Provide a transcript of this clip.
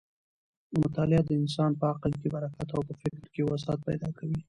مطالعه د انسان په عقل کې برکت او په فکر کې وسعت پیدا کوي.